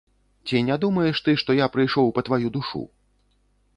Ці не думаеш ты, што я прыйшоў па тваю душу?